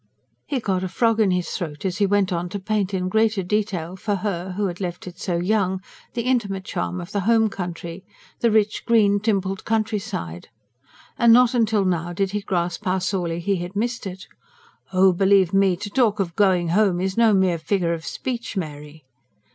He got a frog in his throat as he went on to paint in greater detail for her, who had left it so young, the intimate charm of the home country the rich, green, dimpled countryside. And not till now did he grasp how sorely he had missed it. "Oh, believe me, to talk of 'going home' is no mere figure of speech, Mary!"